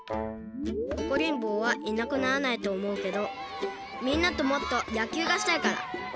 おこりんぼうはいなくならないとおもうけどみんなともっとやきゅうがしたいから。